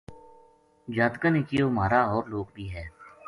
جاتکاں نے کہیو مھارا ہور لوک بھی ہے۔